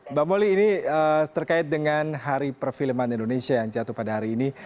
mbak moli ini terkait dengan hari perfilman indonesia yang jatuh pada hari ini